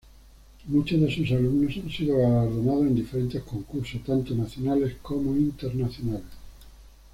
Muchos de sus alumnos han sido galardonados en diferentes concursos tanto nacionales, como internacionales.